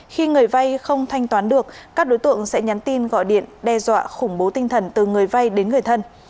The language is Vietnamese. khi người vay không thanh toán được các đối tượng sẽ nhắn tin gọi điện đe dọa khủng bố tinh thần từ người vay đến người thân